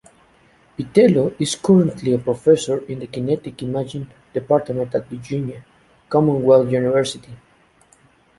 Vitiello is currently a professor in the Kinetic Imaging department at Virginia Commonwealth University.